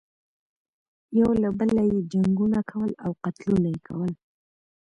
یو له بله یې جنګونه کول او قتلونه یې کول.